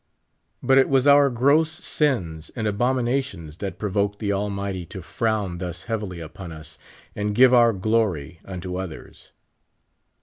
But it was our gross sins and aliomina tions that provoked the Almighty to frown thus heavily upon us and give our glory unto others.